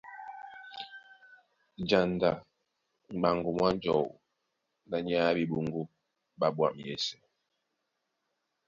Janda m̀ɓaŋgo mwá njɔu na nyay á ɓeɓoŋgó ɓá ɓwǎm̀ yɛ́sɛ̄.